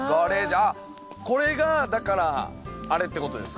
あっこれがだからあれってことですか。